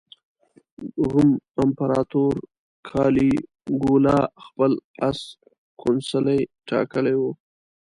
روم امپراطور کالیګولا خپل اس کونسلي ټاکلی و.